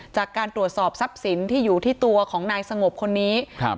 จากการตรวจสอบทรัพย์สินที่อยู่ที่ตัวของนายสงบคนนี้ครับ